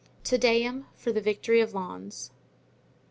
Te Deum for the Victory of Lens.